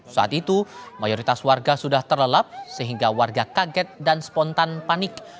saat itu mayoritas warga sudah terlelap sehingga warga kaget dan spontan panik